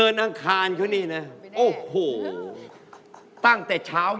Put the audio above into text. นั่นค่ะนั่นค่ะ